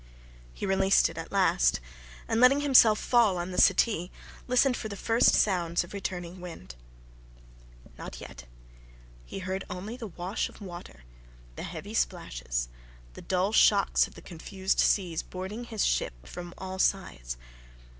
He released it at last, and letting himself fall on the settee, listened for the first sounds of returning wind. Not yet. He heard only the wash of water, the heavy splashes, the dull shocks of the confused seas boarding his ship from all sides.